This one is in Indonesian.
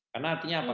karena artinya apa